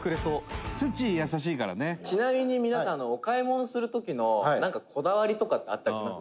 「ちなみに、皆さんお買い物する時のなんか、こだわりとかってあったりします？」